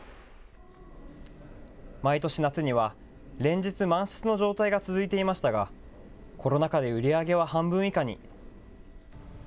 毎年夏には、連日満室の状態が続いていましたが、コロナ禍で売り上げは半分以下に。